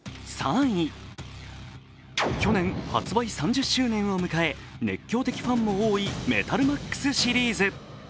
去年、発売３０周年を迎え熱狂的ファンも多い「メタルマックス」シリーズ。